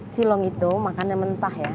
silong itu makannya mentah ya